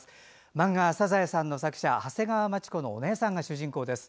漫画「サザエさん」の作者長谷川町子のお姉さんが主人公です。